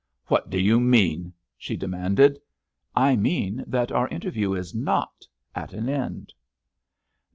"What do you mean?" she demanded. "I mean that our interview is not at an end!"